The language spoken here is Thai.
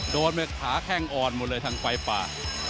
โดนไปขาแข้งอ่อนหมดเลยทางไฟป่า